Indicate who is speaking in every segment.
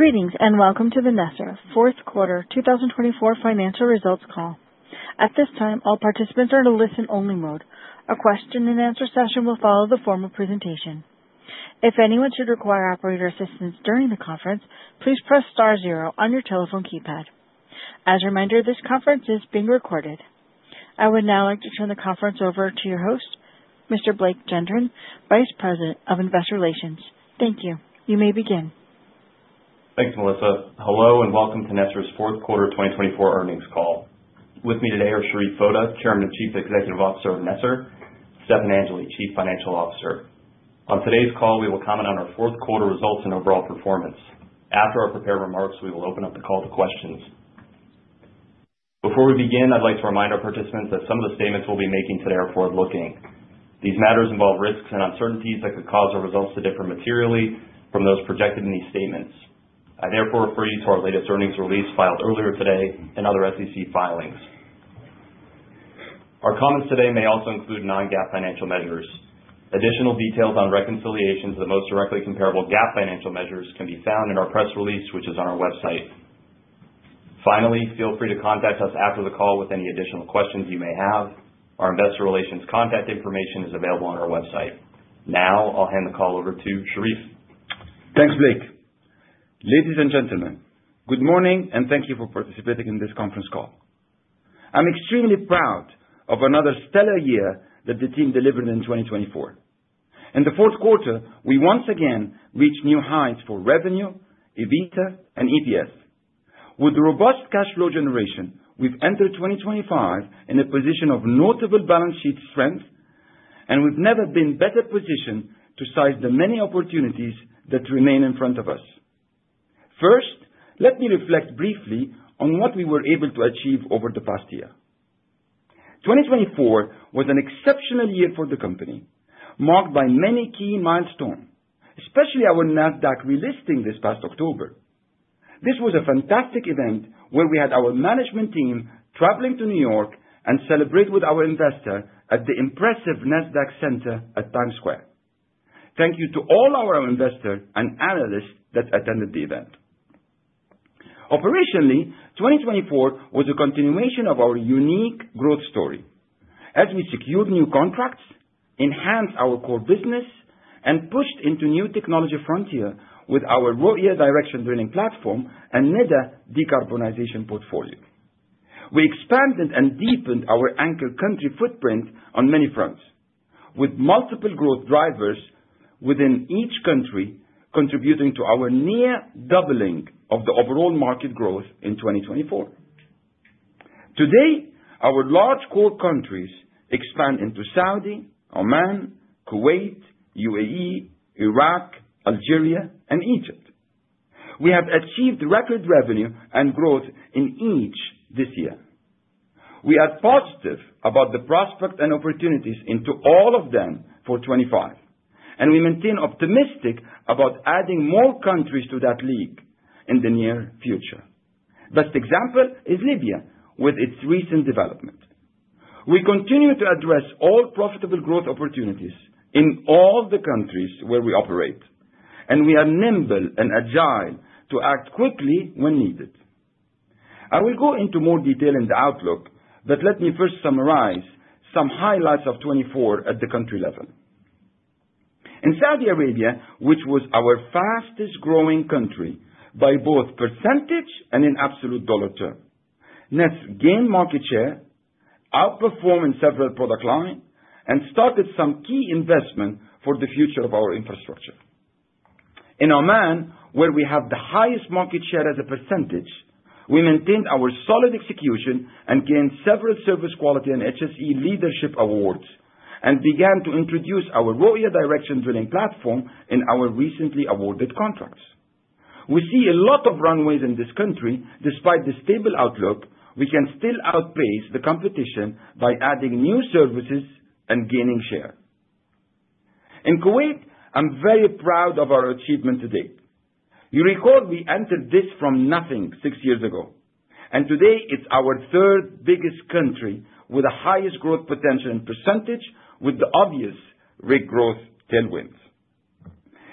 Speaker 1: Greetings and welcome to the NESR fourth quarter 2024 financial results call. At this time, all participants are in a listen-only mode. A question-and-answer session will follow the formal presentation. If anyone should require operator assistance during the conference, please press star zero on your telephone keypad. As a reminder, this conference is being recorded. I would now like to turn the conference over to your host, Mr. Blake Gendron, Vice President of Investor Relations. Thank you. You may begin.
Speaker 2: Thanks, Melissa. Hello and welcome to NESR's 4th Quarter 2024 Earnings Call. With me today are Sherif Foda, Chairman and Chief Executive Officer of NESR, and Stefan Angeli, Chief Financial Officer. On today's call, we will comment on our 4th Quarter results and overall performance. After our prepared remarks, we will open up the call to questions. Before we begin, I'd like to remind our participants that some of the statements we'll be making today are forward-looking. These matters involve risks and uncertainties that could cause our results to differ materially from those projected in these statements. I therefore refer you to our latest earnings release filed earlier today and other SEC filings. Our comments today may also include non-GAAP financial measures. Additional details on reconciliation to the most directly comparable GAAP financial measures can be found in our press release, which is on our website. Finally, feel free to contact us after the call with any additional questions you may have. Our investor relations contact information is available on our website. Now, I'll hand the call over to Sherif.
Speaker 3: Thanks, Blake. Ladies and gentlemen, good morning and thank you for participating in this conference call. I'm extremely proud of another stellar year that the team delivered in 2024. In the fourth quarter, we once again reached new heights for revenue, EBITDA, and EPS. With robust cash flow generation, we've entered 2025 in a position of notable balance sheet strength, and we've never been better positioned to seize the many opportunities that remain in front of us. First, let me reflect briefly on what we were able to achieve over the past year. 2024 was an exceptional year for the company, marked by many key milestones, especially our NASDAQ relisting this past October. This was a fantastic event where we had our management team traveling to New York and celebrate with our investor at the impressive NASDAQ Center at Times Square. Thank you to all our investors and analysts that attended the event. Operationally, 2024 was a continuation of our unique growth story, as we secured new contracts, enhanced our core business, and pushed into new technology frontiers with our Roya Directional Drilling platform and NEDA decarbonization portfolio. We expanded and deepened our anchor country footprint on many fronts, with multiple growth drivers within each country contributing to our near doubling of the overall market growth in 2024. Today, our large core countries expand into Saudi Arabia, Oman, Kuwait, UAE, Iraq, Algeria, and Egypt. We have achieved record revenue and growth in each this year. We are positive about the prospects and opportunities into all of them for 2025, and we maintain optimism about adding more countries to that league in the near future. Best example is Libya with its recent development. We continue to address all profitable growth opportunities in all the countries where we operate, and we are nimble and agile to act quickly when needed. I will go into more detail in the outlook, but let me first summarize some highlights of 2024 at the country level. In Saudi Arabia, which was our fastest-growing country by both percentage and in absolute dollar terms, NESR gained market share, outperformed in several product lines, and started some key investments for the future of our infrastructure. In Oman, where we have the highest market share as a percentage, we maintained our solid execution and gained several Service Quality and HSE Leadership Awards and began to introduce our Roya Directional Drilling platform in our recently awarded contracts. We see a lot of runways in this country. Despite the stable outlook, we can still outpace the competition by adding new services and gaining share. In Kuwait, I'm very proud of our achievement today. You recall we entered this from nothing six years ago, and today it's our third biggest country with the highest growth potential in %, with the obvious rate growth tailwinds.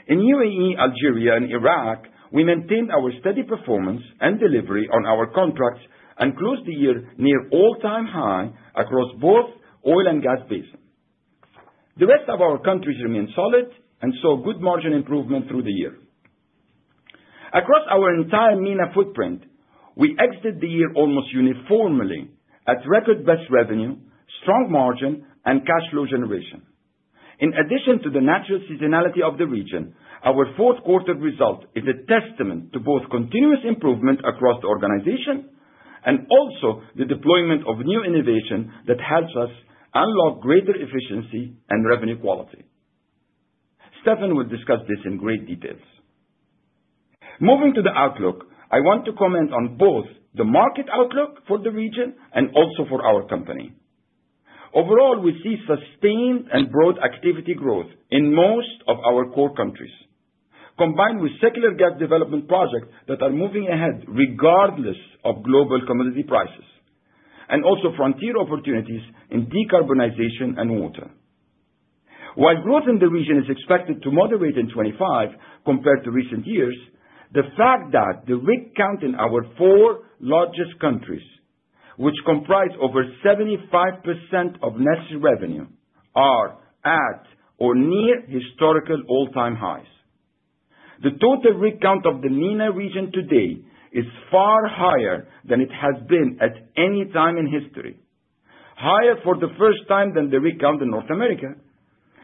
Speaker 3: In UAE, Algeria, and Iraq, we maintained our steady performance and delivery on our contracts and closed the year near all-time high across both the oil and gas basin. The rest of our countries remained solid and saw good margin improvement through the year. Across our entire MENA footprint, we exited the year almost uniformly at record best revenue, strong margin, and cash flow generation. In addition to the natural seasonality of the region, our 4th Quarter result is a testament to both continuous improvement across the organization and also the deployment of new innovation that helps us unlock greater efficiency and revenue quality. Stefan will discuss this in great detail. Moving to the outlook, I want to comment on both the market outlook for the region and also for our company. Overall, we see sustained and broad activity growth in most of our core countries, combined with secular gas development projects that are moving ahead regardless of global commodity prices, and also frontier opportunities in decarbonization and water. While growth in the region is expected to moderate in 2025 compared to recent years, the fact that the rig count in our four largest countries, which comprise over 75% of NESR revenue, are at or near historical all-time highs. The total rig count of the MENA region today is far higher than it has been at any time in history, higher for the first time than the rig count in North America,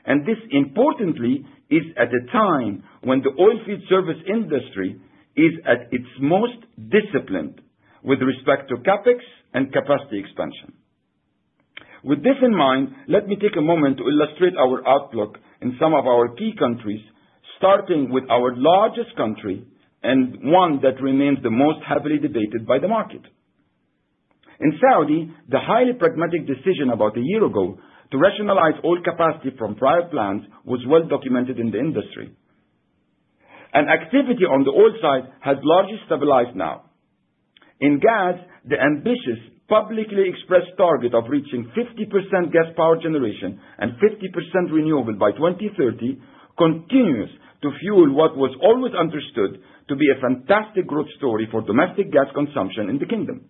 Speaker 3: and this importantly is at a time when the oil field service industry is at its most disciplined with respect to CapEx and capacity expansion. With this in mind, let me take a moment to illustrate our outlook in some of our key countries, starting with our largest country and one that remains the most heavily debated by the market. In Saudi Arabia, the highly pragmatic decision about a year ago to rationalize oil capacity from prior plans was well documented in the industry. Activity on the oil side has largely stabilized now. In gas, the ambitious publicly expressed target of reaching 50% gas power generation and 50% renewable by 2030 continues to fuel what was always understood to be a fantastic growth story for domestic gas consumption in the Kingdom.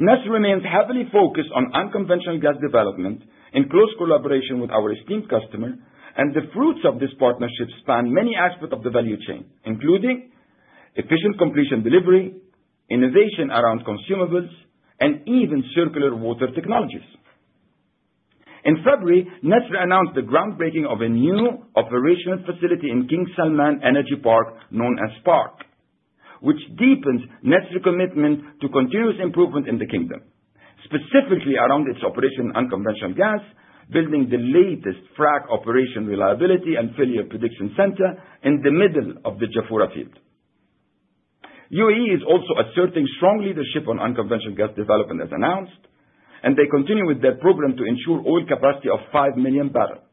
Speaker 3: NESR remains heavily focused on unconventional gas development in close collaboration with our esteemed customer, and the fruits of this partnership span many aspects of the value chain, including efficient completion delivery, innovation around consumables, and even circular water technologies. In February, NESR announced the groundbreaking of a new operational facility in King Salman Energy Park, which deepens NESR's commitment to continuous improvement in the Kingdom, specifically around its operation in unconventional gas, building the latest frac operation reliability and failure prediction center in the middle of the Jafurah Field. UAE is also asserting strong leadership on unconventional gas development as announced, and they continue with their program to ensure oil capacity of 5 million barrels.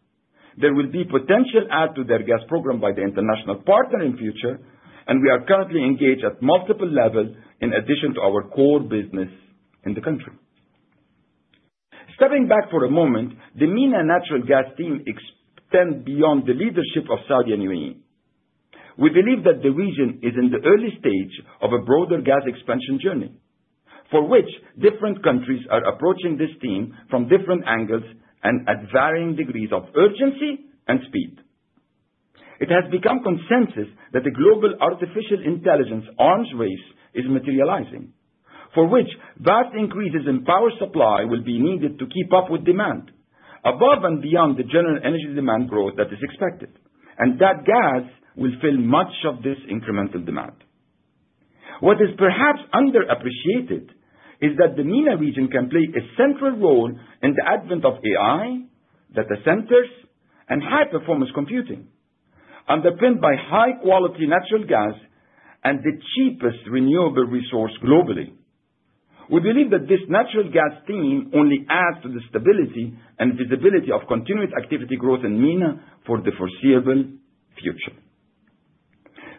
Speaker 3: There will be potential add to their gas program by the international partner in the future, and we are currently engaged at multiple levels in addition to our core business in the country. Stepping back for a moment, the MENA Natural Gas team extends beyond the leadership of Saudi and UAE. We believe that the region is in the early stage of a broader gas expansion journey, for which different countries are approaching this theme from different angles and at varying degrees of urgency and speed. It has become consensus that the global artificial intelligence arms race is materializing, for which vast increases in power supply will be needed to keep up with demand, above and beyond the general energy demand growth that is expected, and that gas will fill much of this incremental demand. What is perhaps underappreciated is that the MENA region can play a central role in the advent of AI, data centers, and high-performance computing, underpinned by high-quality natural gas and the cheapest renewable resource globally. We believe that this natural gas theme only adds to the stability and visibility of continuous activity growth in MENA for the foreseeable future.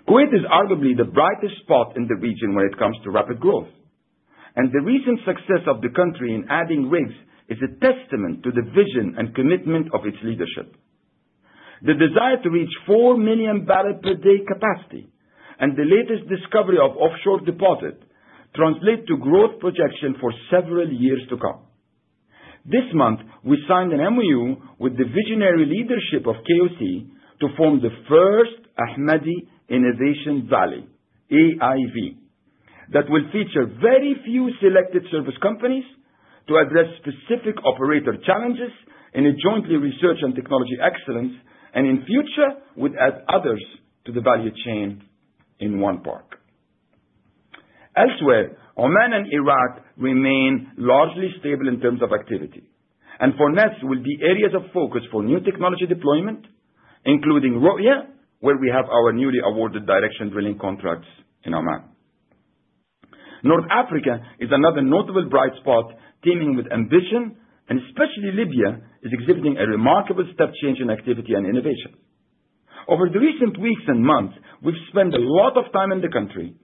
Speaker 3: Kuwait is arguably the brightest spot in the region when it comes to rapid growth, and the recent success of the country in adding rigs is a testament to the vision and commitment of its leadership. The desire to reach 4 million barrels per day capacity and the latest discovery of offshore deposit translate to growth projections for several years to come. This month, we signed an MOU with the visionary leadership of KOC to form the first Ahmadi Innovation Valley, AIV, that will feature very few selected service companies to address specific operator challenges in a jointly researched and technology excellence, and in future would add others to the value chain in one park. Elsewhere, Oman and Iraq remain largely stable in terms of activity, and for NESR will be areas of focus for new technology deployment, including Roya, where we have our newly awarded directional drilling contracts in Oman. North Africa is another notable bright spot teeming with ambition, and especially Libya is exhibiting a remarkable step change in activity and innovation. Over the recent weeks and months, we've spent a lot of time in the country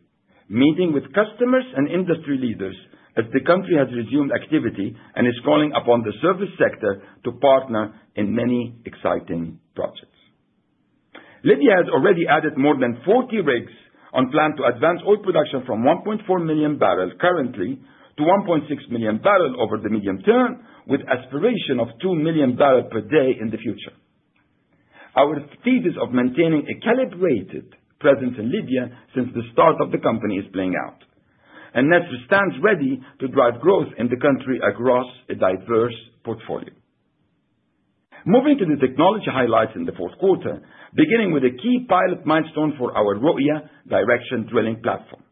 Speaker 3: meeting with customers and industry leaders as the country has resumed activity and is calling upon the service sector to partner in many exciting projects. Libya has already added more than 40 rigs on plan to advance oil production from 1.4 million barrels currently to 1.6 million barrels over the medium term, with aspiration of 2 million barrels per day in the future. Our strategies of maintaining a calibrated presence in Libya since the start of the company is playing out, and NESR stands ready to drive growth in the country across a diverse portfolio. Moving to the technology highlights in the fourth quarter, beginning with a key pilot milestone for our Roya Directional Drilling platform.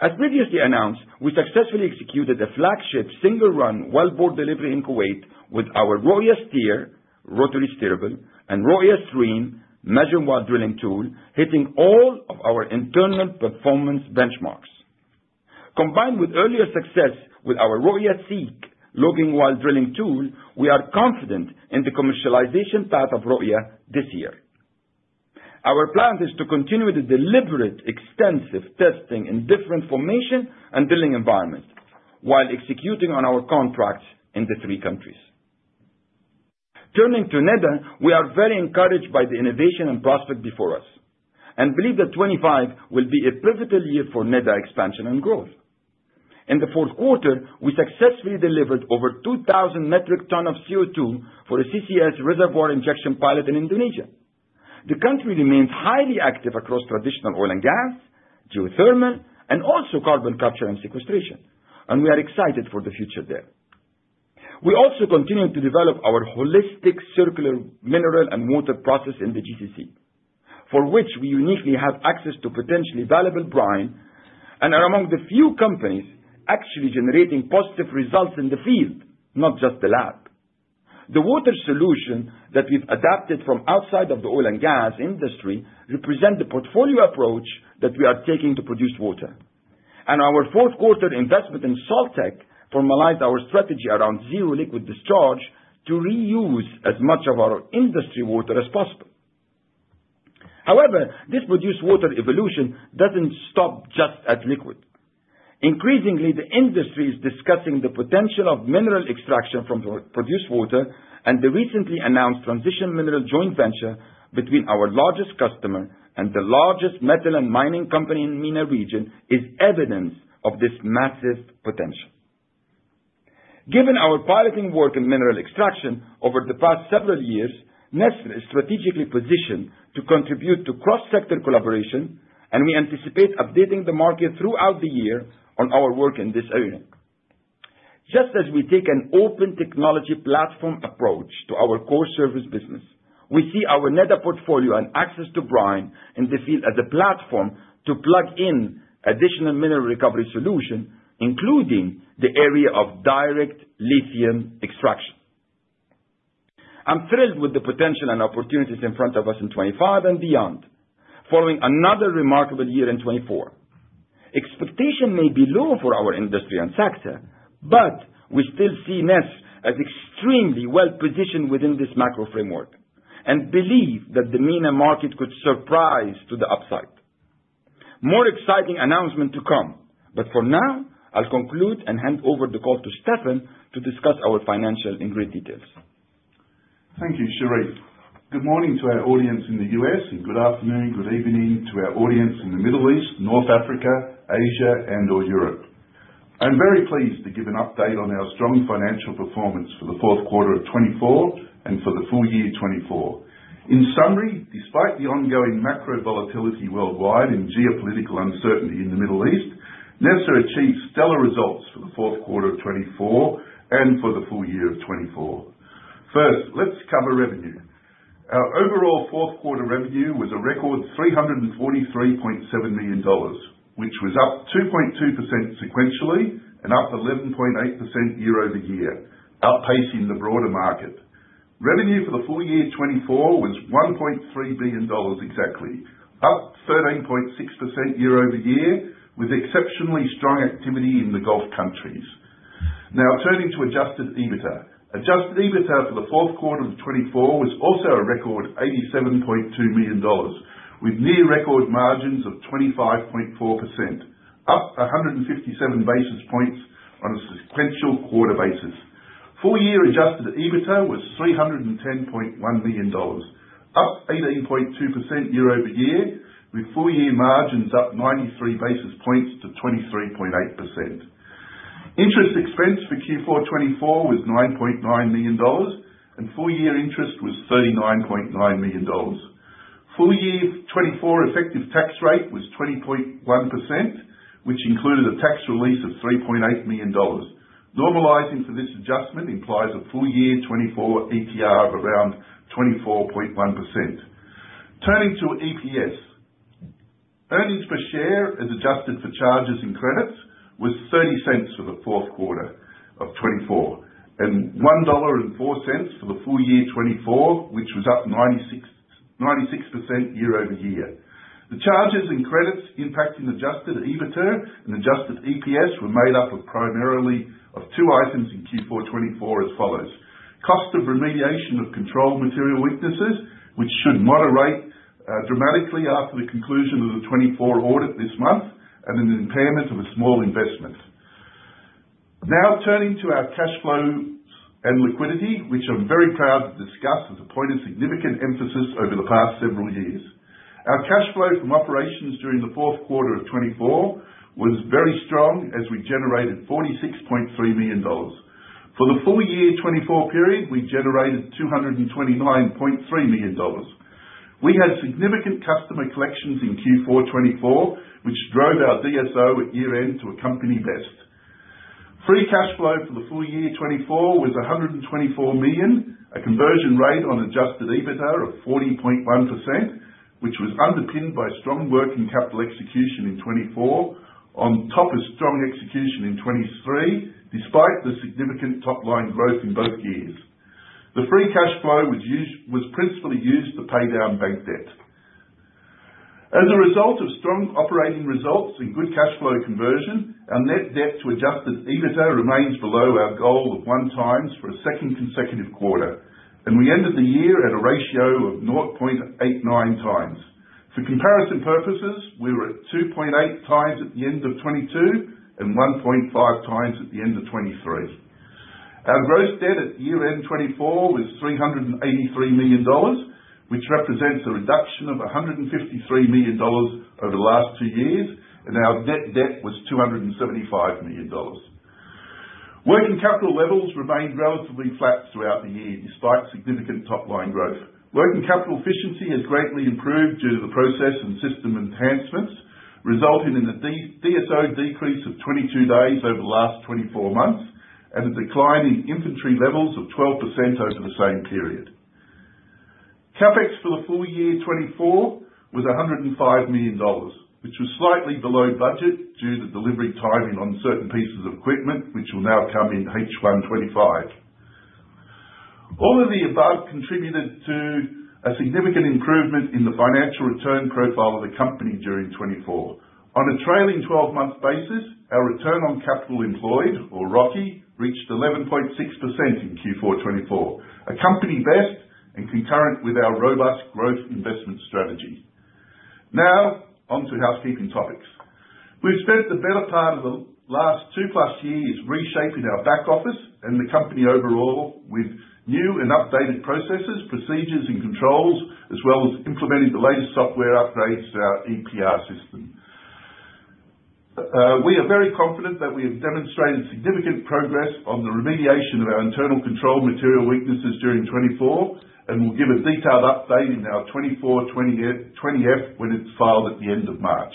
Speaker 3: As previously announced, we successfully executed a flagship single-run wellbore delivery in Kuwait with our RoyaSteer, Rotary Steerable, and RoyaStream Measurement While Drilling tool, hitting all of our internal performance benchmarks. Combined with earlier success with our RoyaSeek Logging While Drilling tool, we are confident in the commercialization path of Roya this year. Our plan is to continue with the deliberate extensive testing in different formation and drilling environments while executing on our contracts in the three countries. Turning to NEDA, we are very encouraged by the innovation and prospect before us and believe that 2025 will be a pivotal year for NEDA expansion and growth. In the fourth quarter, we successfully delivered over 2,000 metric tons of CO2 for a CCS reservoir injection pilot in Indonesia. The country remains highly active across traditional oil and gas, geothermal, and also carbon capture and sequestration, and we are excited for the future there. We also continue to develop our holistic circular mineral and water process in the GCC, for which we uniquely have access to potentially valuable brine and are among the few companies actually generating positive results in the field, not just the lab. The water solution that we've adapted from outside of the oil and gas industry represents the portfolio approach that we are taking to produce water, and our fourth quarter investment in Salttech formalized our strategy around zero liquid discharge to reuse as much of our industry water as possible. However, this produced water evolution doesn't stop just at liquid. Increasingly, the industry is discussing the potential of mineral extraction from the produced water, and the recently announced transition mineral joint venture between our largest customer and the largest metal and mining company in the MENA region is evidence of this massive potential. Given our piloting work in mineral extraction over the past several years, NESR is strategically positioned to contribute to cross-sector collaboration, and we anticipate updating the market throughout the year on our work in this area. Just as we take an open technology platform approach to our core service business, we see our NEDA portfolio and access to brine in the field as a platform to plug in additional mineral recovery solutions, including the area of direct lithium extraction. I'm thrilled with the potential and opportunities in front of us in 2025 and beyond, following another remarkable year in 2024. Expectation may be low for our industry and sector, but we still see NESR as extremely well positioned within this macro framework and believe that the MENA market could surprise to the upside. More exciting announcements to come, but for now, I'll conclude and hand over the call to Stefan to discuss our financials in great detail.
Speaker 4: Thank you, Sherif. Good morning to our audience in the U.S., and good afternoon, good evening to our audience in the Middle East, North Africa, Asia, and/or Europe. I'm very pleased to give an update on our strong financial performance for the fourth quarter of 2024 and for the full year 2024. In summary, despite the ongoing macro volatility worldwide and geopolitical uncertainty in the Middle East, NESR has achieved stellar results for the fourth quarter of 2024 and for the full year of 2024. First, let's cover revenue. Our overall fourth quarter revenue was a record $343.7 million, which was up 2.2% sequentially and up 11.8% year over year, outpacing the broader market. Revenue for the full year 2024 was $1.3 billion exactly, up 13.6% year over year with exceptionally strong activity in the Gulf countries. Now, turning to adjusted EBITDA. Adjusted EBITDA for the fourth quarter of 2024 was also a record $87.2 million, with near-record margins of 25.4%, up 157 basis points on a sequential quarter basis. Full year adjusted EBITDA was $310.1 million, up 18.2% year over year, with full year margins up 93 basis points to 23.8%. Interest expense for Q4 2024 was $9.9 million, and full year interest was $39.9 million. Full year 2024 effective tax rate was 20.1%, which included a tax release of $3.8 million. Normalizing for this adjustment implies a full year 2024 ETR of around 24.1%. Turning to EPS, earnings per share as adjusted for charges and credits was $0.30 for the fourth quarter of 2024 and $1.04 for the full year 2024, which was up 96% year over year. The charges and credits impacting adjusted EBITDA and adjusted EPS were made up primarily of two items in Q4 2024 as follows: cost of remediation of control material weaknesses, which should moderate dramatically after the conclusion of the 2024 audit this month, and an impairment of a small investment. Now, turning to our cash flows and liquidity, which I'm very proud to discuss as a point of significant emphasis over the past several years. Our cash flow from operations during the fourth quarter of 2024 was very strong as we generated $46.3 million. For the full year 2024 period, we generated $229.3 million. We had significant customer collections in Q4 2024, which drove our DSO at year-end to a company best. Free cash flow for the full year 2024 was $124 million, a conversion rate on adjusted EBITDA of 40.1%, which was underpinned by strong working capital execution in 2024, on top of strong execution in 2023, despite the significant top-line growth in both years. The free cash flow was principally used to pay down bank debt. As a result of strong operating results and good cash flow conversion, our net debt to adjusted EBITDA remains below our goal of one times for a second consecutive quarter, and we ended the year at a ratio of 0.89 times. For comparison purposes, we were at 2.8 times at the end of 2022 and 1.5 times at the end of 2023. Our gross debt at year-end 2024 was $383 million, which represents a reduction of $153 million over the last two years, and our net debt was $275 million. Working capital levels remained relatively flat throughout the year despite significant top-line growth. Working capital efficiency has greatly improved due to the process and system enhancements, resulting in a DSO decrease of 22 days over the last 24 months and a decline in inventory levels of 12% over the same period. CapEx for the full year 2024 was $105 million, which was slightly below budget due to delivery timing on certain pieces of equipment, which will now come in H1 2025. All of the above contributed to a significant improvement in the financial return profile of the company during 2024. On a trailing 12-month basis, our return on capital employed, or ROCE, reached 11.6% in Q4 2024, accompanying best and concurrent with our robust growth investment strategy. Now, on to housekeeping topics. We've spent the better part of the last two-plus years reshaping our back office and the company overall with new and updated processes, procedures, and controls, as well as implementing the latest software upgrades to our ERP system. We are very confident that we have demonstrated significant progress on the remediation of our internal control material weaknesses during 2024 and will give a detailed update in our 2024 20-F when it's filed at the end of March.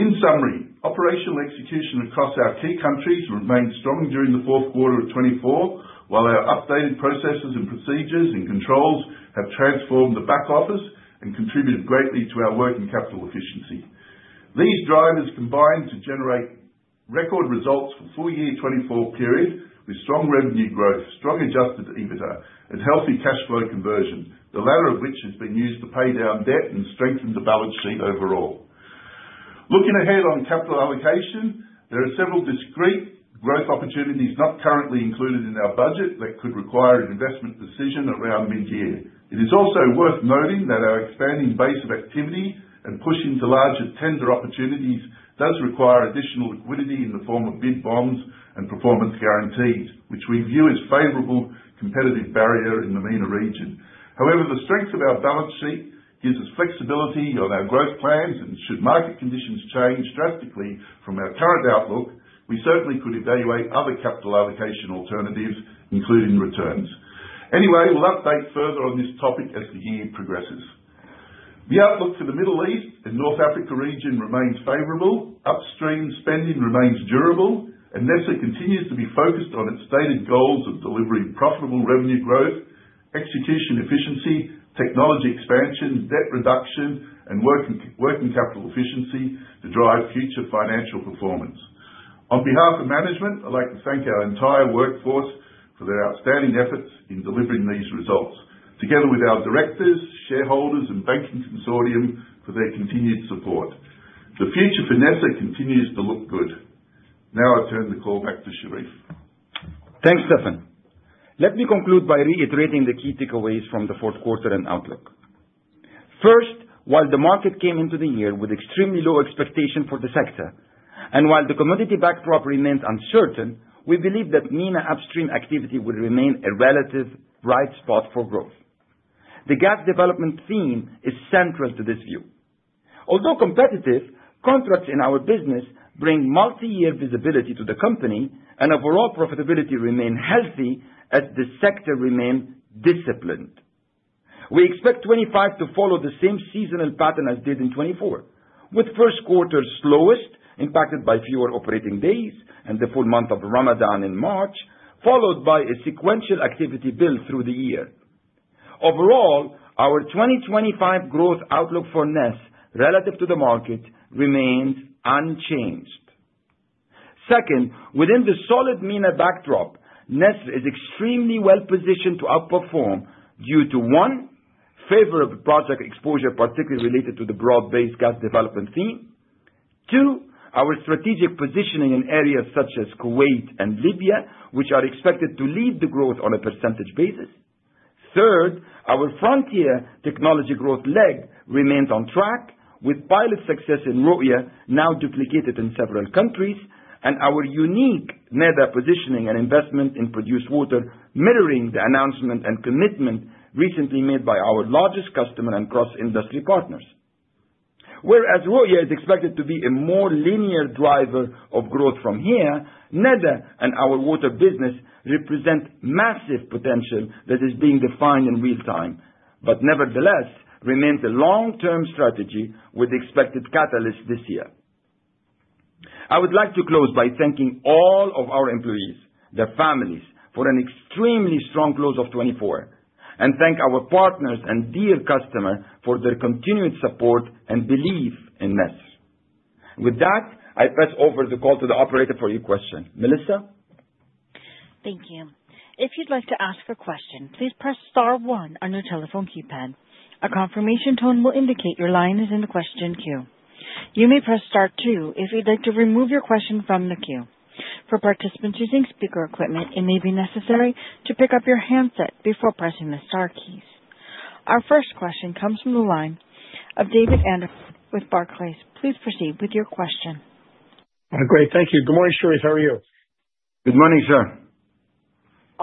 Speaker 4: In summary, operational execution across our key countries remained strong during the 4th Quarter of 2024, while our updated processes and procedures and controls have transformed the back office and contributed greatly to our working capital efficiency. These drivers combined to generate record results for the full year 2024 period with strong revenue growth, strong adjusted EBITDA, and healthy cash flow conversion, the latter of which has been used to pay down debt and strengthen the balance sheet overall. Looking ahead on capital allocation, there are several discrete growth opportunities not currently included in our budget that could require an investment decision around mid-year. It is also worth noting that our expanding base of activity and pushing to larger tender opportunities does require additional liquidity in the form of bid bonds and performance guarantees, which we view as a favorable competitive barrier in the MENA region. However, the strength of our balance sheet gives us flexibility on our growth plans, and should market conditions change drastically from our current outlook, we certainly could evaluate other capital allocation alternatives, including returns. Anyway, we'll update further on this topic as the year progresses. The outlook for the Middle East and North Africa region remains favorable. Upstream spending remains durable, and NESR continues to be focused on its stated goals of delivering profitable revenue growth, execution efficiency, technology expansion, debt reduction, and working capital efficiency to drive future financial performance. On behalf of management, I'd like to thank our entire workforce for their outstanding efforts in delivering these results, together with our directors, shareholders, and banking consortium for their continued support. The future for NESR continues to look good. Now, I turn the call back to Sherif.
Speaker 3: Thanks, Stefan. Let me conclude by reiterating the key takeaways from the fourth quarter and outlook. First, while the market came into the year with extremely low expectations for the sector and while the commodity backdrop remained uncertain, we believe that MENA upstream activity will remain a relative bright spot for growth. The gas development theme is central to this view. Although competitive, contracts in our business bring multi-year visibility to the company, and overall profitability remains healthy as the sector remains disciplined. We expect 2025 to follow the same seasonal pattern as it did in 2024, with the first quarter's slowest impacted by fewer operating days and the full month of Ramadan in March, followed by a sequential activity build through the year. Overall, our 2025 growth outlook for NESR relative to the market remains unchanged. Second, within the solid MENA backdrop, NESR is extremely well positioned to outperform due to, one, favorable project exposure, particularly related to the broad-based gas development theme; two, our strategic positioning in areas such as Kuwait and Libya, which are expected to lead the growth on a percentage basis; third, our frontier technology growth leg remains on track, with pilot success in Roya now duplicated in several countries; and our unique NEDA positioning and investment in produced water, mirroring the announcement and commitment recently made by our largest customer and cross-industry partners. Whereas Roya is expected to be a more linear driver of growth from here, NEDA and our water business represent massive potential that is being defined in real time, but nevertheless remains a long-term strategy with expected catalysts this year. I would like to close by thanking all of our employees, their families, for an extremely strong close of 2024, and thank our partners and dear customers for their continued support and belief in NESR. With that, I pass over the call to the operator for your question. Melissa?
Speaker 1: Thank you. If you'd like to ask a question, please press star one on your telephone keypad. A confirmation tone will indicate your line is in the question queue. You may press star two if you'd like to remove your question from the queue. For participants using speaker equipment, it may be necessary to pick up your handset before pressing the star keys. Our first question comes from the line of David Anderson with Barclays. Please proceed with your question.
Speaker 5: Great. Thank you. Good morning, Sherif. How are you?
Speaker 3: Good morning, sir.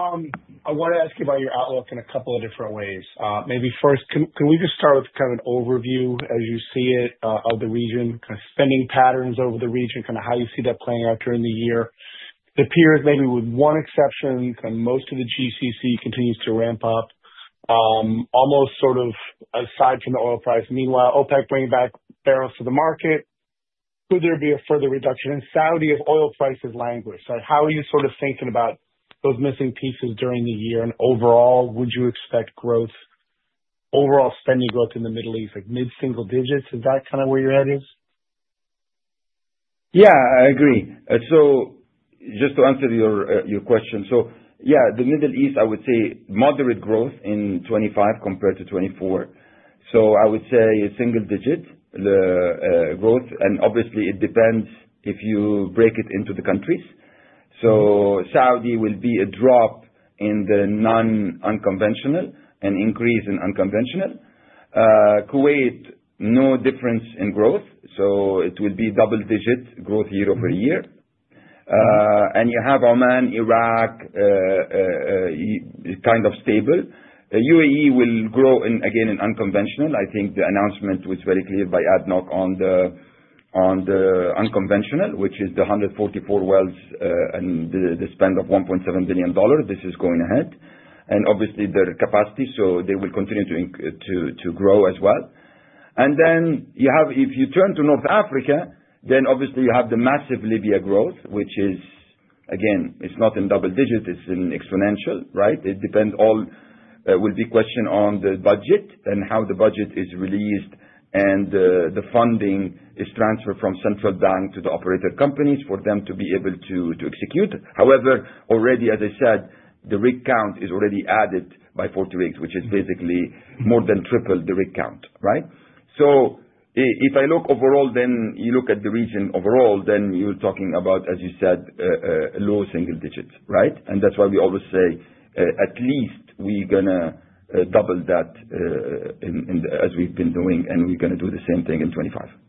Speaker 5: I want to ask you about your outlook in a couple of different ways. Maybe first, can we just start with kind of an overview as you see it of the region, kind of spending patterns over the region, kind of how you see that playing out during the year? It appears maybe with one exception, kind of most of the GCC continues to ramp up, almost sort of aside from the oil price. Meanwhile, OPEC bringing back barrels to the market. Could there be a further reduction in Saudi if oil prices languish? How are you sort of thinking about those missing pieces during the year? Overall, would you expect growth, overall spending growth in the Middle East, like mid-single digits? Is that kind of where your head is?
Speaker 3: Yeah, I agree. Just to answer your question, yeah, the Middle East, I would say moderate growth in 2025 compared to 2024. I would say a single-digit growth. Obviously, it depends if you break it into the countries. Saudi will be a drop in the non-unconventional and increase in unconventional. Kuwait, no difference in growth. It will be double-digit growth year over year. You have Oman, Iraq, kind of stable. UAE will grow again in unconventional. I think the announcement was very clear by ADNOC on the unconventional, which is the 144 wells and the spend of $1.7 billion. This is going ahead. Obviously, their capacity, so they will continue to grow as well. If you turn to North Africa, obviously you have the massive Libya growth, which is, again, it's not in double digits, it's in exponential, right? It depends. All will be questioned on the budget and how the budget is released and the funding is transferred from central bank to the operator companies for them to be able to execute. However, already, as I said, the rig count is already added by 40 rigs, which is basically more than triple the rig count, right? If I look overall, then you look at the region overall, then you're talking about, as you said, low single digits, right? That's why we always say, at least we're going to double that as we've been doing, and we're going to do the same thing in 2025.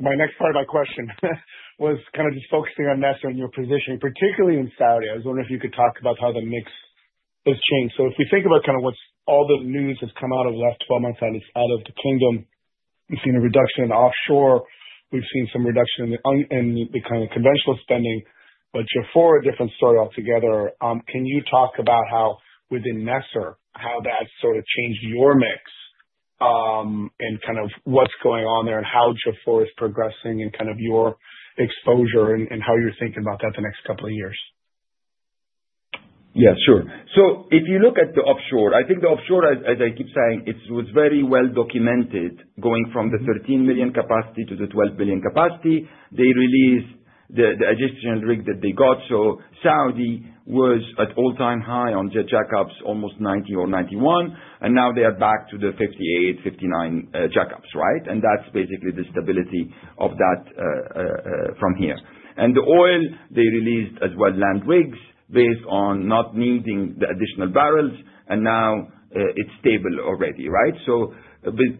Speaker 3: My next part of my question was kind of just focusing on NESR and your positioning, particularly in Saudi. I was wondering if you could talk about how the mix has changed. If we think about kind of what's all the news has come out over the last 12 months out of the Kingdom, we've seen a reduction in offshore, we've seen some reduction in the kind of conventional spending, but Jafurah, a different story altogether. Can you talk about how within NESR, how that sort of changed your mix and kind of what's going on there and how Jafurah is progressing and kind of your exposure and how you're thinking about that the next couple of years? Yeah, sure. If you look at the offshore, I think the offshore, as I keep saying, it was very well documented going from the 13 million capacity to the 12 million capacity. They released the additional rig that they got. Saudi was at all-time high on their jackups, almost 90 or 91, and now they are back to the 58-59 jackups, right? That is basically the stability of that from here. The oil, they released as well land rigs based on not needing the additional barrels, and now it is stable already, right?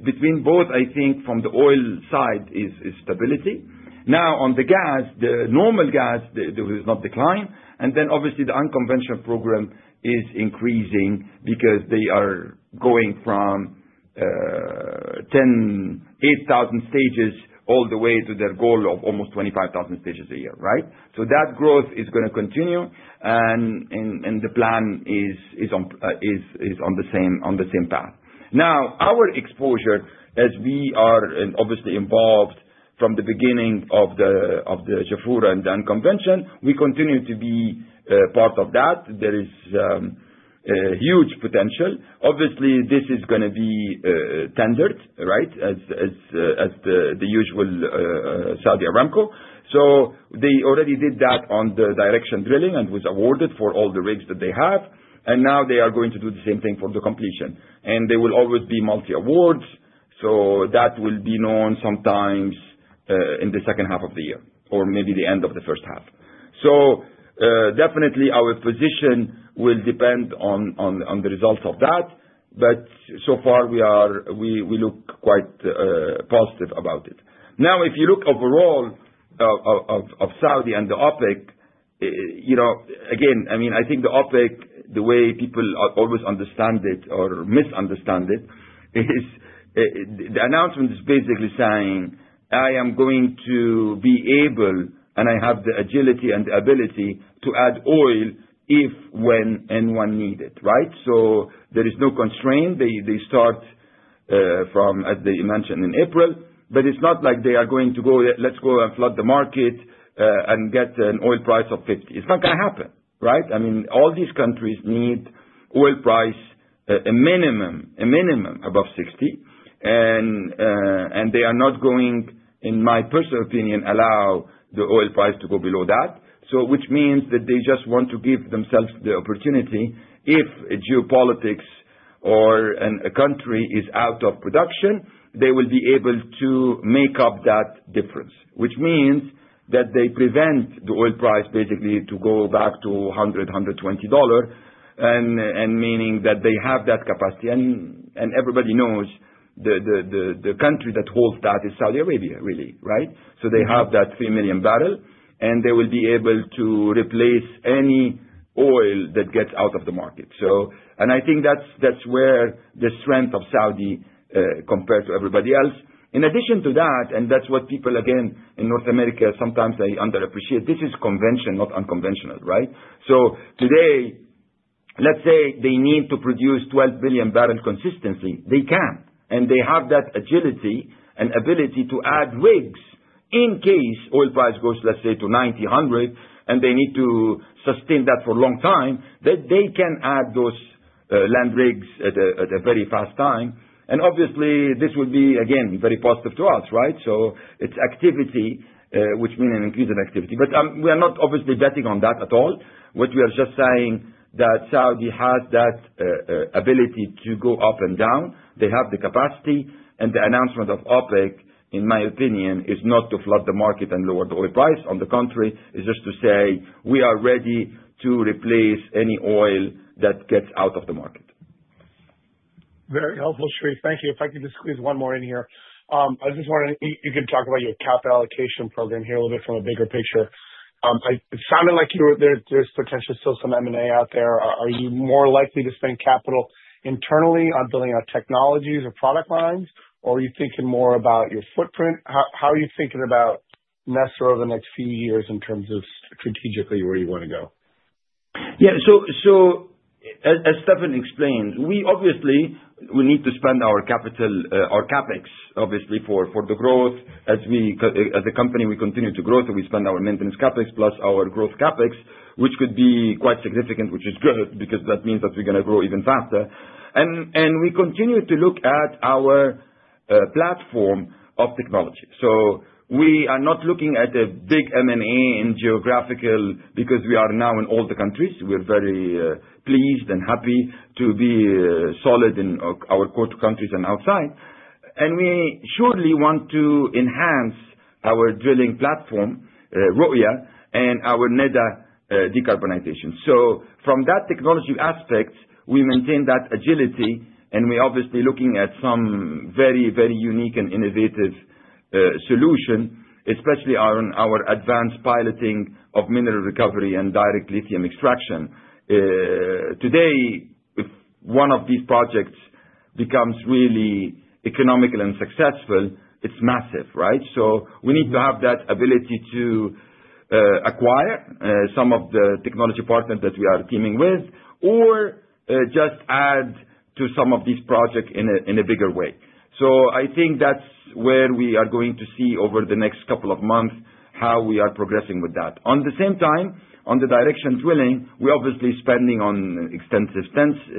Speaker 3: Between both, I think from the oil side is stability. Now, on the gas, the normal gas, there was not decline. Obviously, the unconventional program is increasing because they are going from 10,000 stages all the way to their goal of almost 25,000 stages a year, right? That growth is going to continue, and the plan is on the same path. Our exposure, as we are obviously involved from the beginning of the Jafurah and the unconventional, we continue to be part of that. There is huge potential. Obviously, this is going to be tendered, right, as the usual Saudi Aramco. They already did that on the directional drilling and was awarded for all the rigs that they have. Now they are going to do the same thing for the completion. There will always be multi-awards. That will be known sometimes in the second half of the year or maybe the end of the first half. Definitely, our position will depend on the results of that. So far, we look quite positive about it. Now, if you look overall at Saudi and the OPEC, again, I mean, I think the OPEC, the way people always understand it or misunderstand it, is the announcement is basically saying, "I am going to be able, and I have the agility and the ability to add oil if, when, and when needed," right? There is no constraint. They start from, as they mentioned, in April, but it's not like they are going to go, "Let's go and flood the market and get an oil price of $50." It's not going to happen, right? I mean, all these countries need oil price a minimum above $60. They are not going, in my personal opinion, to allow the oil price to go below that, which means that they just want to give themselves the opportunity. If geopolitics or a country is out of production, they will be able to make up that difference, which means that they prevent the oil price basically from going back to $100-$120, meaning that they have that capacity. Everybody knows the country that holds that is Saudi Arabia, really, right? They have that 3 million barrel, and they will be able to replace any oil that gets out of the market. I think that's where the strength of Saudi compared to everybody else. In addition to that, and that's what people, again, in North America sometimes they underappreciate, this is conventional, not unconventional, right? Today, let's say they need to produce 12 billion barrels consistently, they can. They have that agility and ability to add rigs in case oil price goes, let's say, to $90, $100, and they need to sustain that for a long time, that they can add those land rigs at a very fast time. Obviously, this will be, again, very positive to us, right? It's activity, which means an increase in activity. We are not obviously betting on that at all. What we are just saying is that Saudi has that ability to go up and down. They have the capacity. The announcement of OPEC, in my opinion, is not to flood the market and lower the oil price on the country. It is just to say, "We are ready to replace any oil that gets out of the market."
Speaker 5: Very helpful, Sherif. Thank you. If I could just squeeze one more in here. I just wanted to—you can talk about your capital allocation program here a little bit from a bigger picture. It sounded like there is potentially still some M&A out there. Are you more likely to spend capital internally on building out technologies or product lines, or are you thinking more about your footprint? How are you thinking about NESR over the next few years in terms of strategically where you want to go?
Speaker 3: Yeah.As Stefan explained, obviously, we need to spend our capital, our CapEx, obviously, for the growth. As a company, we continue to grow, so we spend our maintenance CapEx plus our growth CapEx, which could be quite significant, which is good because that means that we're going to grow even faster. We continue to look at our platform of technology. We are not looking at a big M&A in geographical because we are now in all the countries. We're very pleased and happy to be solid in our core two countries and outside. We surely want to enhance our drilling platform, Roya, and our NEDA decarbonization. From that technology aspect, we maintain that agility, and we're obviously looking at some very, very unique and innovative solution, especially our advanced piloting of mineral recovery and direct lithium extraction. Today, if one of these projects becomes really economical and successful, it's massive, right? We need to have that ability to acquire some of the technology partners that we are teaming with or just add to some of these projects in a bigger way. I think that's where we are going to see over the next couple of months how we are progressing with that. At the same time, on the directional drilling, we're obviously spending on extensive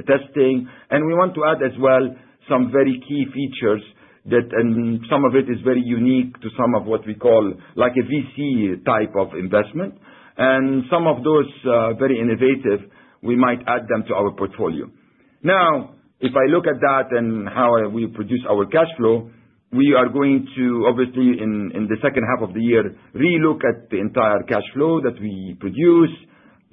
Speaker 3: testing, and we want to add as well some very key features that some of it is very unique to some of what we call like a VC type of investment. Some of those are very innovative. We might add them to our portfolio. Now, if I look at that and how we produce our cash flow, we are going to, obviously, in the second half of the year, relook at the entire cash flow that we produce,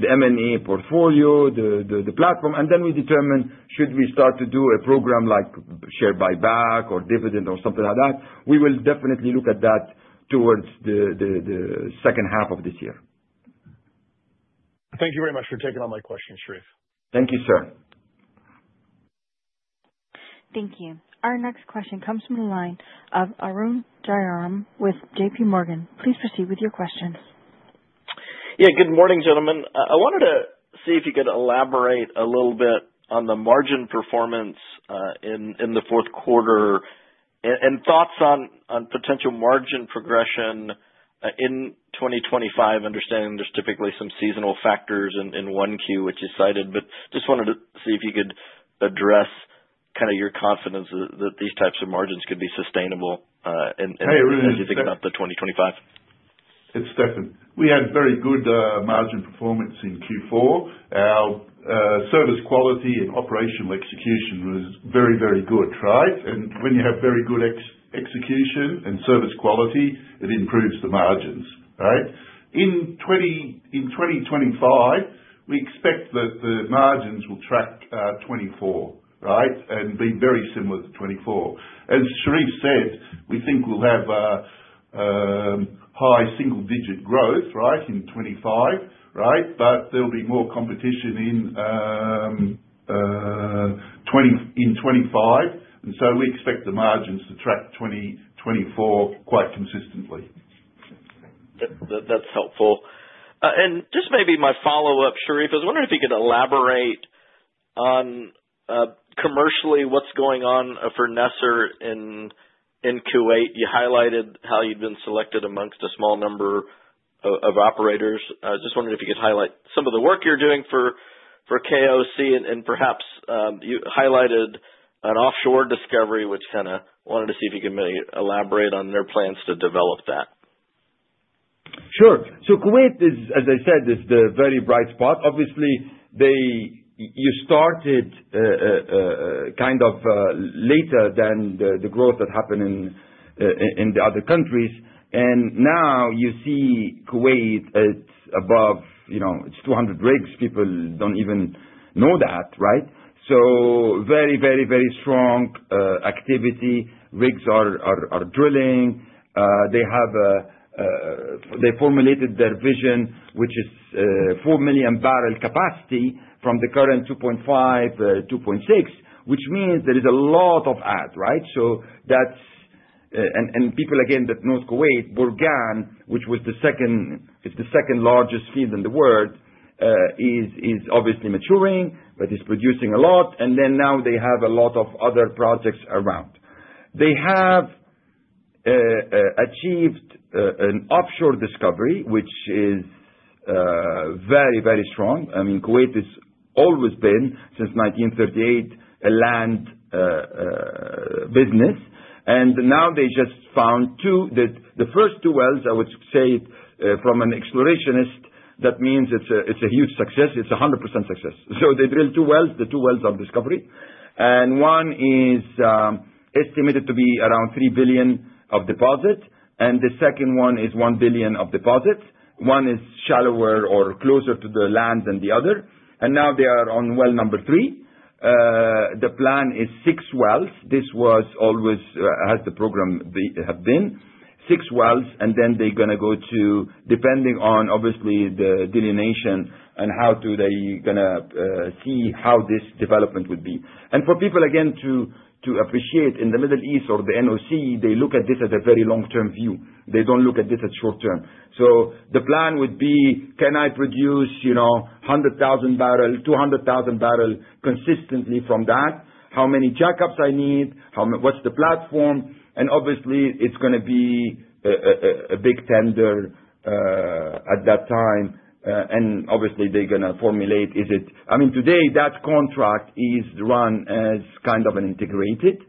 Speaker 3: the M&A portfolio, the platform, and then we determine should we start to do a program like share buyback or dividend or something like that. We will definitely look at that towards the second half of this year.
Speaker 5: Thank you very much for taking on my question, Sherif.
Speaker 3: Thank you, sir.
Speaker 1: Thank you. Our next question comes from the line of Arun Jayaram with JPMorgan. Please proceed with your question.
Speaker 6: Yeah. Good morning, gentlemen. I wanted to see if you could elaborate a little bit on the margin performance in the fourth quarter and thoughts on potential margin progression in 2025, understanding there's typically some seasonal factors in one Q, which you cited, just wanted to see if you could address kind of your confidence that these types of margins could be sustainable as you think about the 2025.
Speaker 4: It's Stefan. We had very good margin performance in Q4. Our service quality and operational execution was very, very good, right? When you have very good execution and service quality, it improves the margins, right? In 2025, we expect that the margins will track 2024, right, and be very similar to 2024. As Sherif said, we think we'll have high single-digit growth, right, in 2025, right? There'll be more competition in 2025. We expect the margins to track 2024 quite consistently.
Speaker 6: That's helpful. Just maybe my follow-up, Sherif, because I was wondering if you could elaborate on commercially what's going on for NESR in Kuwait. You highlighted how you've been selected amongst a small number of operators. I just wondered if you could highlight some of the work you're doing for KOC, and perhaps you highlighted an offshore discovery, which kind of wanted to see if you could maybe elaborate on their plans to develop that.
Speaker 3: Sure. Kuwait, as I said, is the very bright spot. Obviously, you started kind of later than the growth that happened in the other countries. Now you see Kuwait, it's above its 200 rigs. People do not even know that, right? Very, very, very strong activity. Rigs are drilling. They formulated their vision, which is 4 million barrel capacity from the current 2.5, 2.6, which means there is a lot of add, right? People, again, that know Kuwait, Burgan, which was the second largest field in the world, is obviously maturing, but is producing a lot. Now they have a lot of other projects around. They have achieved an offshore discovery, which is very, very strong. I mean, Kuwait has always been, since 1938, a land business. Now they just found two—the first two wells, I would say, from an explorationist, that means it's a huge success. It's a 100% success. They drilled two wells. The two wells are discovery. One is estimated to be around $3 billion of deposit. The second one is $1 billion of deposit. One is shallower or closer to the land than the other. They are on well number three. The plan is six wells. This was always how the program has been. Six wells. They are going to go to, depending on, obviously, the delineation and how they are going to see how this development would be. For people, again, to appreciate, in the Middle East or the NOC, they look at this as a very long-term view. They do not look at this as short-term. The plan would be, can I produce 100,000 barrels, 200,000 barrels consistently from that? How many jackups do I need? What is the platform? It is going to be a big tender at that time. They are going to formulate, is it—I mean, today, that contract is run as kind of an integrated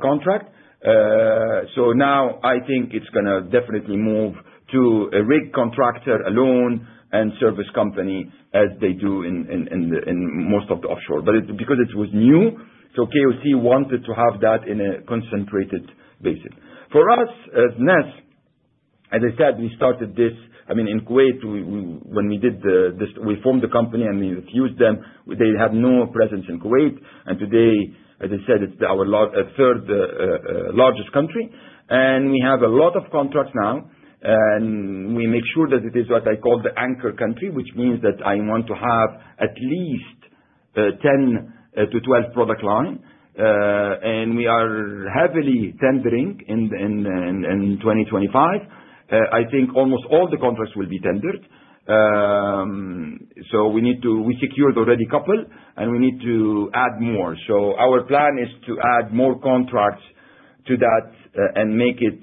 Speaker 3: contract. I think it's going to definitely move to a rig contractor alone and service company as they do in most of the offshore. Because it was new, KOC wanted to have that in a concentrated basis. For us as NESR, as I said, we started this—I mean, in Kuwait, when we did this, we formed the company and we refused them. They have no presence in Kuwait. Today, as I said, it's our third largest country. We have a lot of contracts now. We make sure that it is what I call the anchor country, which means that I want to have at least 10-12 product lines. We are heavily tendering in 2025. I think almost all the contracts will be tendered. We secured already a couple, and we need to add more. Our plan is to add more contracts to that and make it,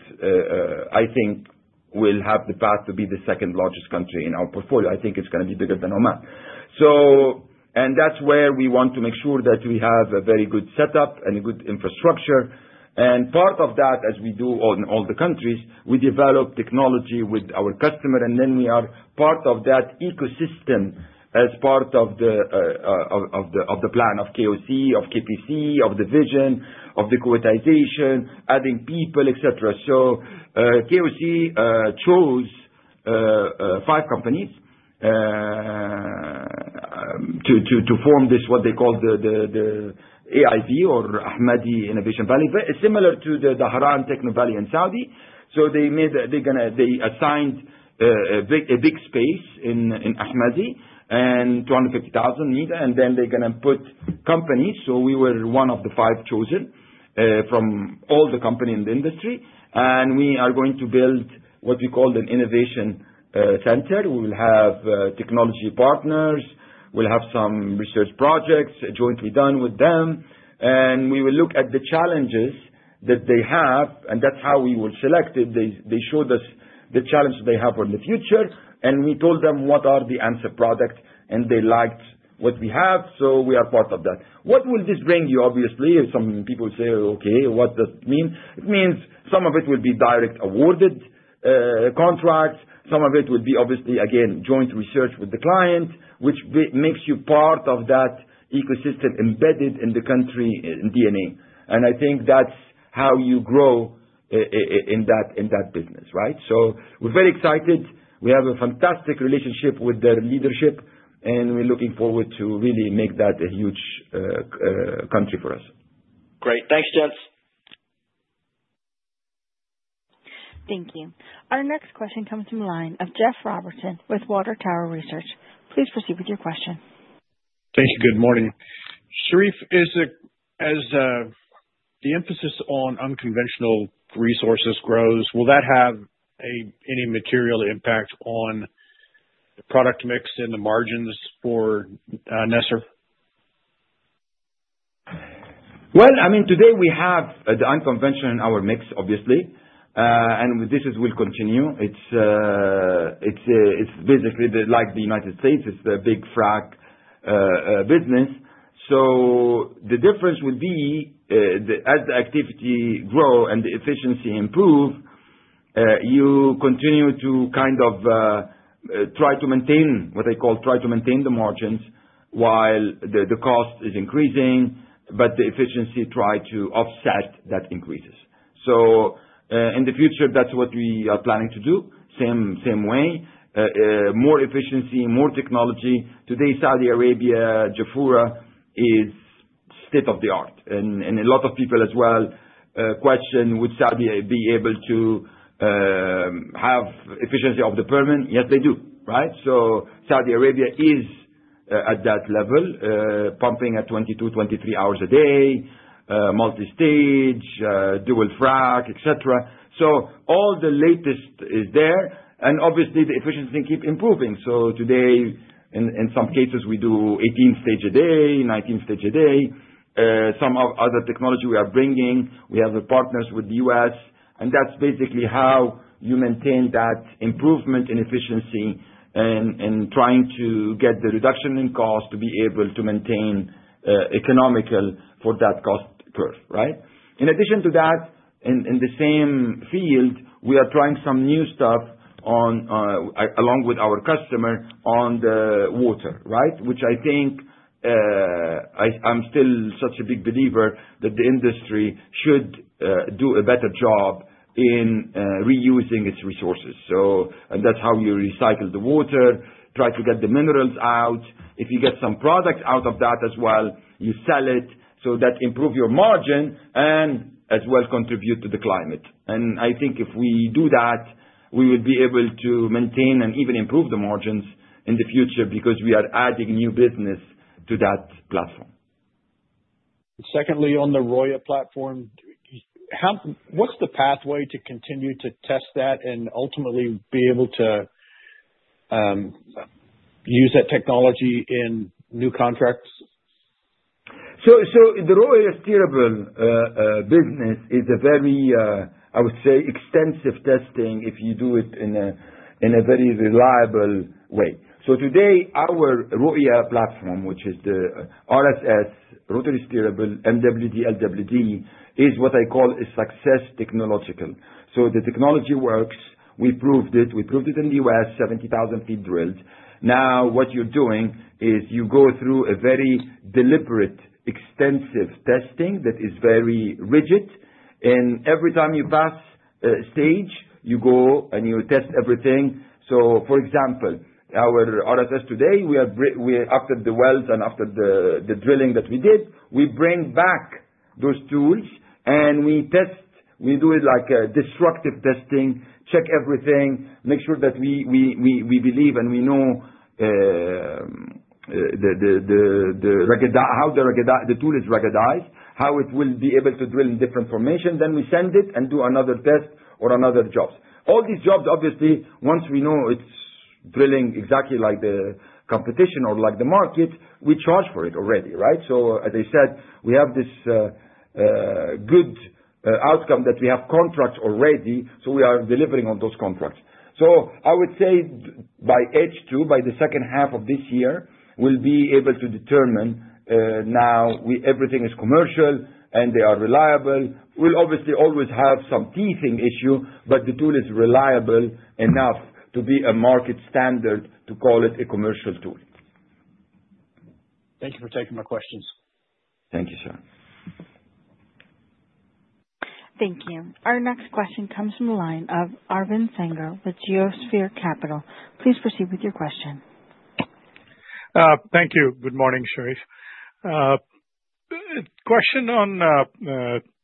Speaker 3: I think, will have the path to be the second largest country in our portfolio. I think it's going to be bigger than Oman. That is where we want to make sure that we have a very good setup and a good infrastructure. Part of that, as we do in all the countries, we develop technology with our customer, and then we are part of that ecosystem as part of the plan of KOC, of KPC, of the vision, of the Kuwaitization, adding people, etc. KOC chose five companies to form this, what they call the AIV or Ahmadi Innovation Valley, similar to the Dhahran Techno Valley in Saudi. They assigned a big space in Ahmadi and 250,000 needed. Then they're going to put companies. We were one of the five chosen from all the companies in the industry. We are going to build what we call an innovation center. We will have technology partners. We'll have some research projects jointly done with them. We will look at the challenges that they have. That's how we will select it. They showed us the challenges they have for the future. We told them what are the answer product, and they liked what we have. We are part of that. What will this bring you, obviously? Some people say, "Okay, what does it mean?" It means some of it will be direct awarded contracts. Some of it will be, obviously, again, joint research with the client, which makes you part of that ecosystem embedded in the country DNA. I think that's how you grow in that business, right? We're very excited. We have a fantastic relationship with their leadership, and we're looking forward to really make that a huge country for us.
Speaker 6: Great. Thanks, gents.
Speaker 1: Thank you. Our next question comes from the line of Jeff Robertson with Water Tower Research. Please proceed with your question.
Speaker 7: Thank you. Good morning. Sherif, as the emphasis on unconventional resources grows, will that have any material impact on the product mix and the margins for NESR?
Speaker 3: I mean, today we have the unconventional in our mix, obviously, and this will continue. It's basically like the United States. It's a big fracking business. The difference will be as the activity grows and the efficiency improves, you continue to kind of try to maintain, what I call try to maintain the margins while the cost is increasing, but the efficiency tries to offset that increases. In the future, that's what we are planning to do. Same way, more efficiency, more technology. Today, Saudi Arabia, Jafurah is state of the art. A lot of people as well question, "Would Saudi be able to have efficiency of the permanent?" Yes, they do, right? Saudi Arabia is at that level, pumping at 22-23 hours a day, multi-stage, dual frac, etc. All the latest is there. Obviously, the efficiency keeps improving. Today, in some cases, we do 18 stages a day, 19 stages a day. Some other technology we are bringing. We have partners with the US. That's basically how you maintain that improvement in efficiency and trying to get the reduction in cost to be able to maintain economical for that cost curve, right? In addition to that, in the same field, we are trying some new stuff along with our customer on the water, right? Which I think I'm still such a big believer that the industry should do a better job in reusing its resources. That's how you recycle the water, try to get the minerals out. If you get some product out of that as well, you sell it so that improves your margin and as well contribute to the climate. I think if we do that, we will be able to maintain and even improve the margins in the future because we are adding new business to that platform.
Speaker 7: Secondly, on the Roya platform, what's the pathway to continue to test that and ultimately be able to use that technology in new contracts?
Speaker 3: The Roya Steerable business is a very, I would say, extensive testing if you do it in a very reliable way. Today, our Roya platform, which is the RSS, Rotary Steerable, MWD, LWD, is what I call a success technological. The technology works. We proved it. We proved it in the U.S., 70,000 feet drilled. Now, what you're doing is you go through a very deliberate, extensive testing that is very rigid. Every time you pass a stage, you go and you test everything. For example, our RSS today, after the wells and after the drilling that we did, we bring back those tools and we test. We do it like destructive testing, check everything, make sure that we believe and we know how the tool is ruggedized, how it will be able to drill in different formations. We send it and do another test or another job. All these jobs, obviously, once we know it's drilling exactly like the competition or like the market, we charge for it already, right? As I said, we have this good outcome that we have contracts already. We are delivering on those contracts. I would say by H2, by the second half of this year, we'll be able to determine now everything is commercial and they are reliable. We'll obviously always have some teething issue, but the tool is reliable enough to be a market standard to call it a commercial tool.
Speaker 7: Thank you for taking my questions.
Speaker 3: Thank you, sir. Thank you.
Speaker 1: Our next question comes from the line of Arvind Sanger with Geosphere Capital. Please proceed with your question.
Speaker 8: Thank you. Good morning, Sherif. Question on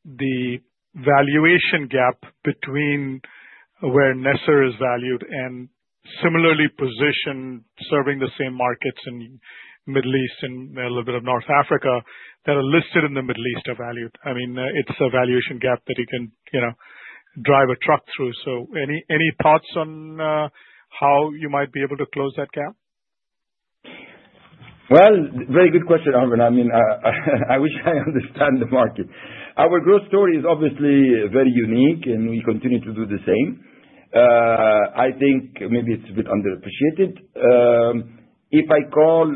Speaker 8: the valuation gap between where NESR is valued and similarly positioned, serving the same markets in the Middle East and a little bit of North Africa that are listed in the Middle East are valued. I mean, it's a valuation gap that you can drive a truck through. Any thoughts on how you might be able to close that gap?
Speaker 3: Very good question, Arvind. I mean, I wish I understand the market. Our growth story is obviously very unique, and we continue to do the same. I think maybe it's a bit underappreciated. If I call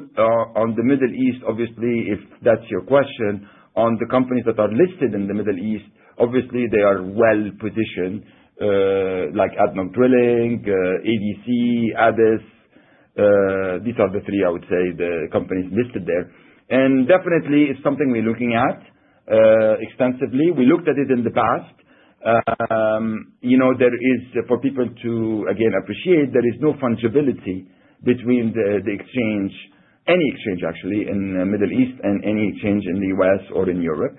Speaker 3: on the Middle East, obviously, if that's your question, on the companies that are listed in the Middle East, obviously, they are well-positioned like ADNOC Drilling, ADC, ADES. These are the three, I would say, the companies listed there. Definitely, it's something we're looking at extensively. We looked at it in the past. There is, for people to, again, appreciate, there is no fungibility between any exchange, actually, in the Middle East and any exchange in the US or in Europe.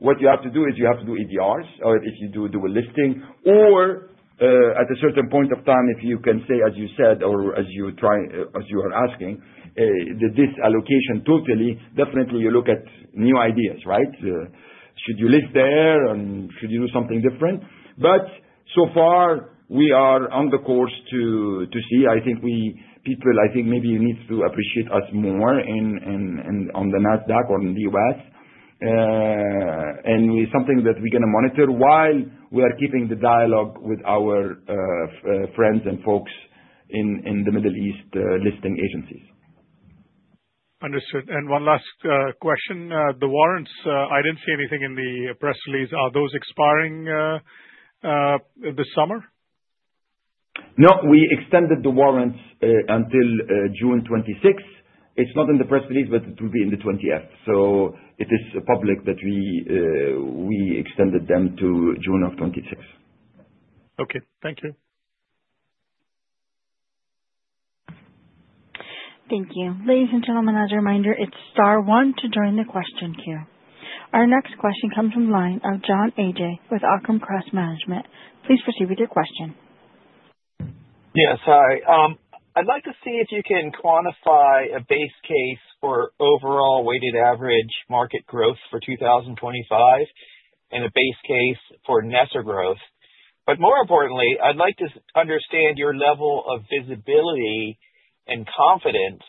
Speaker 3: What you have to do is you have to do ADRs, or if you do a listing, or at a certain point of time, if you can say, as you said or as you are asking, the disallocation totally, definitely, you look at new ideas, right? Should you list there? Should you do something different? So far, we are on the course to see. I think people, I think maybe you need to appreciate us more on the Nasdaq or in the US. It's something that we're going to monitor while we are keeping the dialogue with our friends and folks in the Middle East listing agencies.
Speaker 8: Understood. One last question. The warrants, I did not see anything in the press release. Are those expiring this summer?
Speaker 3: No, we extended the warrants until June 2026. It is not in the press release, but it will be on the 20th. It is public that we extended them to June 2026.
Speaker 8: Okay. Thank you.
Speaker 1: Thank you. Ladies and gentlemen, as a reminder, it is star one to join the question queue. Our next question comes from the line of John Ajay with Occam Crest Management. Please proceed with your question.
Speaker 9: Yes, hi. I would like to see if you can quantify a base case for overall weighted average market growth for 2025 and a base case for NESR growth. More importantly, I would like to understand your level of visibility and confidence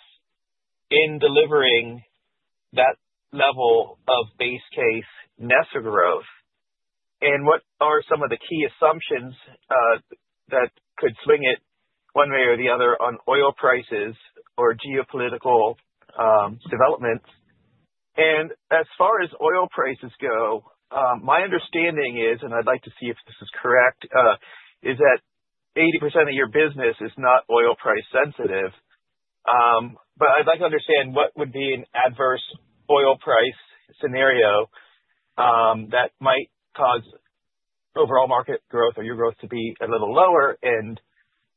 Speaker 9: in delivering that level of base case NESR growth. What are some of the key assumptions that could swing it one way or the other on oil prices or geopolitical developments? As far as oil prices go, my understanding is, and I'd like to see if this is correct, is that 80% of your business is not oil price sensitive. I'd like to understand what would be an adverse oil price scenario that might cause overall market growth or your growth to be a little lower and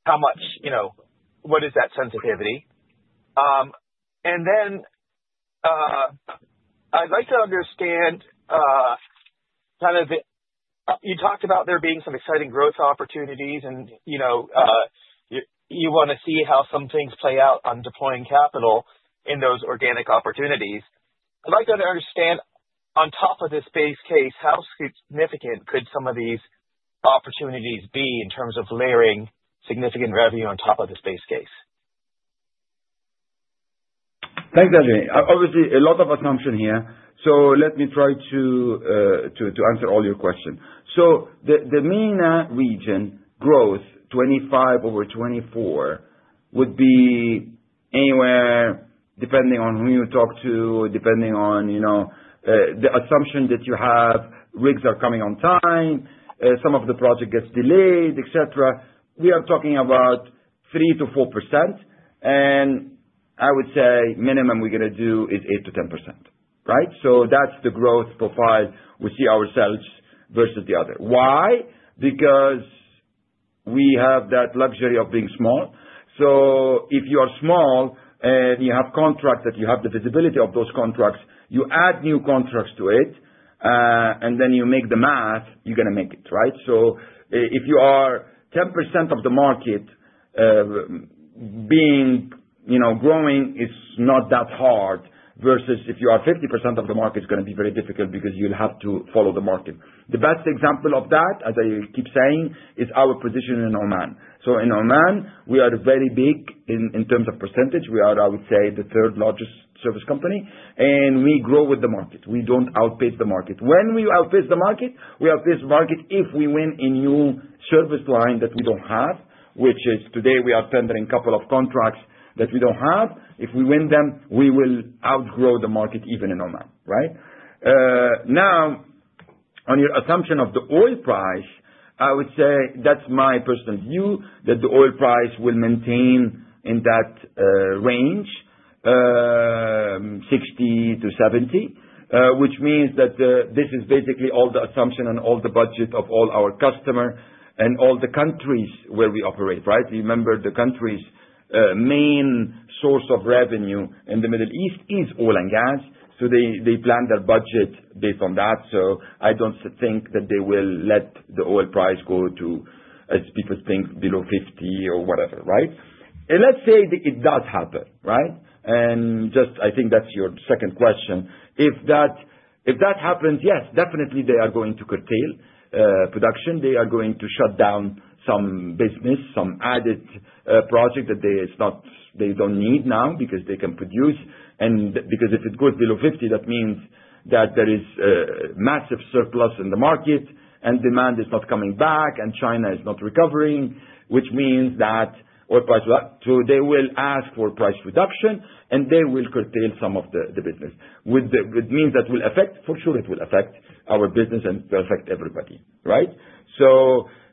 Speaker 9: how much, what is that sensitivity? I'd like to understand kind of the, you talked about there being some exciting growth opportunities, and you want to see how some things play out on deploying capital in those organic opportunities. I'd like to understand, on top of this base case, how significant could some of these opportunities be in terms of layering significant revenue on top of this base case?
Speaker 3: Thanks, Ajay. Obviously, a lot of assumption here. Let me try to answer all your questions. The MENA region growth, 25 over 24, would be anywhere depending on who you talk to, depending on the assumption that you have, rigs are coming on time, some of the project gets delayed, etc. We are talking about 3-4%. I would say minimum we're going to do is 8-10%, right? That's the growth profile we see ourselves versus the other. Why? Because we have that luxury of being small. If you are small and you have contracts that you have the visibility of those contracts, you add new contracts to it, and then you make the math, you're going to make it, right? If you are 10% of the market being growing, it's not that hard versus if you are 50% of the market, it's going to be very difficult because you'll have to follow the market. The best example of that, as I keep saying, is our position in Oman. In Oman, we are very big in terms of percentage. We are, I would say, the third largest service company, and we grow with the market. We don't outpace the market. When we outpace the market, we outpace the market if we win a new service line that we don't have, which is today we are tendering a couple of contracts that we don't have. If we win them, we will outgrow the market even in Oman, right? Now, on your assumption of the oil price, I would say that's my personal view that the oil price will maintain in that range, $60-$70, which means that this is basically all the assumption and all the budget of all our customers and all the countries where we operate, right? Remember, the country's main source of revenue in the Middle East is oil and gas. They plan their budget based on that. I don't think that they will let the oil price go to, as people think, below $50 or whatever, right? Let's say it does happen, right? I think that's your second question. If that happens, yes, definitely they are going to curtail production. They are going to shut down some business, some added project that they do not need now because they can produce. If it goes below $50, that means that there is massive surplus in the market and demand is not coming back and China is not recovering, which means that oil price will up. They will ask for price reduction and they will curtail some of the business. It means that will affect, for sure, it will affect our business and it will affect everybody,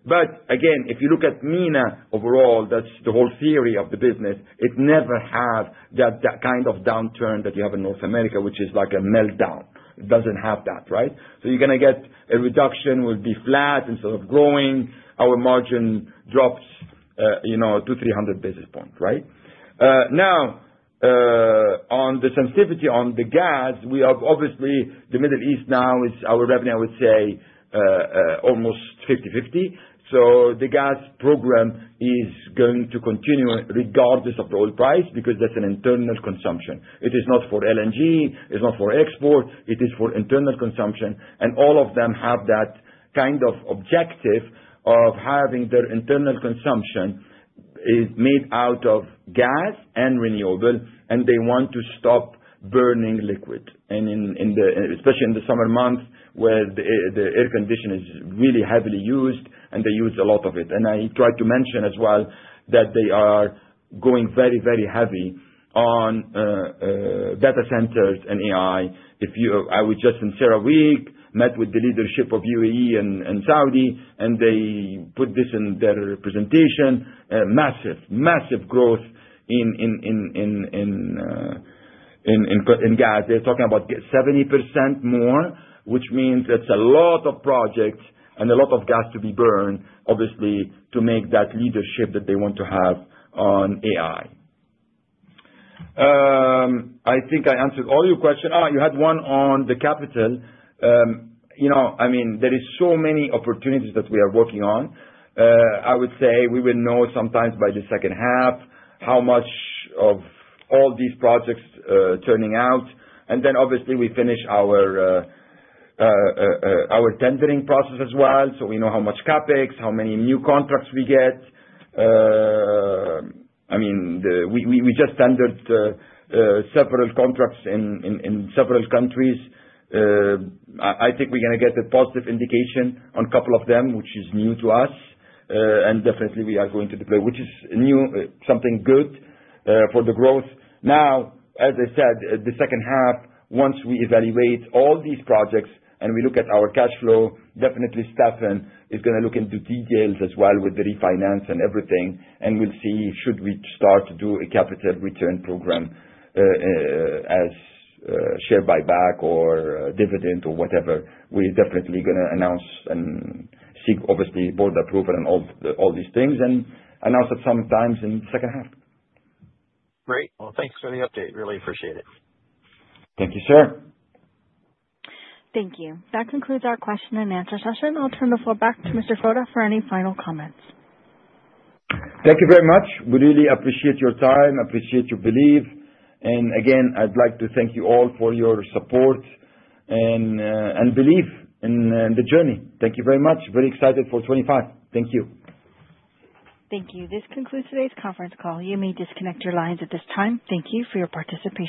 Speaker 3: right? Again, if you look at MENA overall, that is the whole theory of the business. It never has that kind of downturn that you have in North America, which is like a meltdown. It does not have that, right? You are going to get a reduction will be flat instead of growing. Our margin drops 200-300 basis points, right? Now, on the sensitivity on the gas, we have obviously the Middle East now is our revenue, I would say, almost 50/50. The gas program is going to continue regardless of the oil price because that's an internal consumption. It is not for LNG. It's not for export. It is for internal consumption. All of them have that kind of objective of having their internal consumption made out of gas and renewable, and they want to stop burning liquid, especially in the summer months where the air conditioning is really heavily used and they use a lot of it. I tried to mention as well that they are going very, very heavy on data centers and AI. I was just in CERAWeek, met with the leadership of UAE and Saudi, and they put this in their presentation. Massive, massive growth in gas. They're talking about 70% more, which means that's a lot of projects and a lot of gas to be burned, obviously, to make that leadership that they want to have on AI. I think I answered all your questions. Oh, you had one on the capital. I mean, there are so many opportunities that we are working on. I would say we will know sometimes by the second half how much of all these projects turning out. Obviously, we finish our tendering process as well. We know how much CapEx, how many new contracts we get. I mean, we just tendered several contracts in several countries. I think we're going to get a positive indication on a couple of them, which is new to us. Definitely, we are going to deploy, which is something good for the growth. Now, as I said, the second half, once we evaluate all these projects and we look at our cash flow, definitely Stefan is going to look into details as well with the refinance and everything. We will see should we start to do a capital return program as share buyback or dividend or whatever. We are definitely going to announce and seek, obviously, board approval and all these things and announce at some time in the second half.
Speaker 9: Great. Thanks for the update. Really appreciate it.
Speaker 3: Thank you, sir.
Speaker 1: Thank you. That concludes our question and answer session. I'll turn the floor back to Mr. Foda for any final comments.
Speaker 3: Thank you very much. We really appreciate your time, appreciate your belief. Again, I'd like to thank you all for your support and belief in the journey. Thank you very much. Very excited for 2025. Thank you.
Speaker 1: Thank you. This concludes today's conference call. You may disconnect your lines at this time. Thank you for your participation.